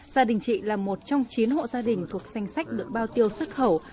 gia đình chị là một trong chín hộ gia đình thuộc danh sách được bao tiêu xuất khẩu